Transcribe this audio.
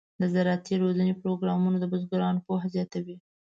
د زراعتي روزنې پروګرامونه د بزګرانو پوهه زیاتوي.